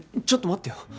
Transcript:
ちょっと待ってよ。